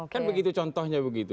kan begitu contohnya begitu